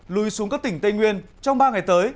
lùi xuống các tỉnh tây nguyên trong ba ngày tới